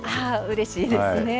うれしいですね。